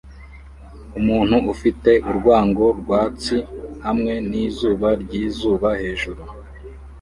Umuntu ufite urwango rwatsi hamwe nizuba ryizuba hejuru